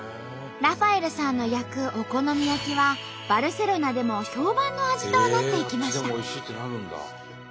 ラファエルさんの焼くお好み焼きはバルセロナでも評判の味となっていきました。